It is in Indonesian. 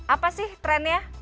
apa sih trendnya